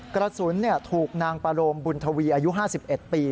กระสุนถูกนางปาโรมบุญทวีอายุ๕๑ปี